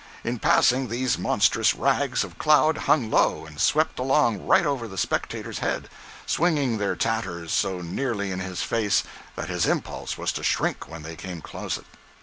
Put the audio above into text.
In passing, these monstrous rags of cloud hung low and swept along right over the spectator's head, swinging their tatters so nearly in his face that his impulse was to shrink when they came closest.